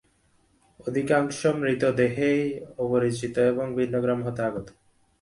অধিকাংশ মৃতদেহই অপরিচিত এবং ভিন্ন গ্রাম হইতে আগত।